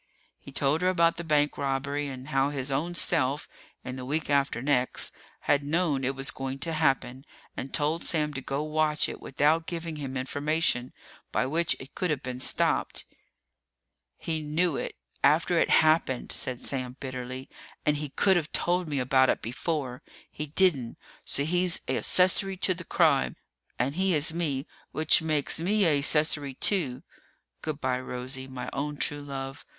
He told her about the bank robbery and how his own self in the week after next had known it was going to happen, and told Sam to go watch it without giving him information by which it could have been stopped. "He knew it after it happened," said Sam bitterly, "and he could've told me about it before! He didn't, so he's a accessory to the crime. And he is me, which makes me a accessory, too. Good by, Rosie, my own true love!